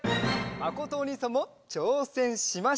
まことおにいさんもちょうせんしました。